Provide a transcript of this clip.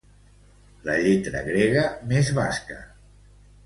La lletra grega més basca.